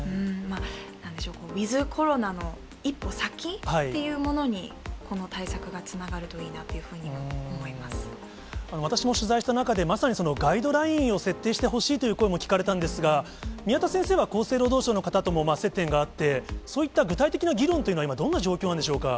なんでしょう、こう、ウィズコロナの一歩先っていうものにこの対策がつながるといいな私も取材した中で、まさにそのガイドラインを設定してほしいという声も聞かれたんですが、宮田先生は、厚生労働省の方とも接点があって、そういった具体的な議論っていうのは今、どんな状況なんでしょうか。